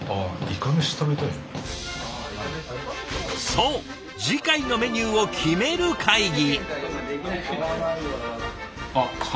そう次回のメニューを決める会議。